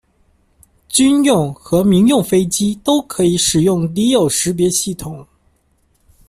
军用和民用飞机都可以使用敌友识别系统。